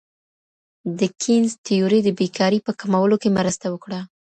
د کینز تیوري د بیکارۍ په کمولو کي مرسته وکړه.